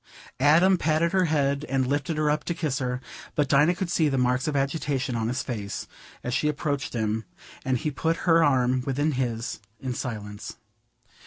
Adam patted her head and lifted her up to kiss her, but Dinah could see the marks of agitation on his face as she approached him, and he put her arm within his in silence.